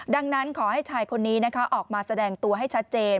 ดังนั้นขอให้ชายคนนี้ออกมาแสดงตัวให้ชัดเจน